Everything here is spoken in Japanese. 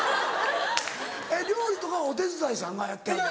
料理とかはお手伝いさんがやってはる？